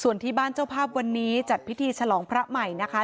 ส่วนที่บ้านเจ้าภาพวันนี้จัดพิธีฉลองพระใหม่นะคะ